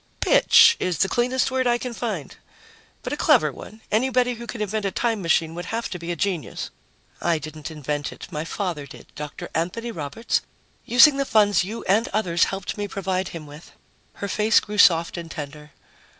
"'Bitch' is the cleanest word I can find. But a clever one. Anybody who can invent a time machine would have to be a genius." "I didn't invent it. My father did Dr. Anthony Roberts using the funds you and others helped me provide him with." Her face grew soft and tender.